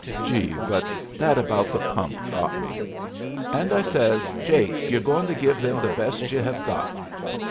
Gee! but that about the pump got me! And I says, 'Jake, you're goin' to give them the best you hev got.'